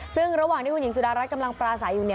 ซึ่งระหว่างที่คุณหญิงสุดารัฐกำลังปราศัยอยู่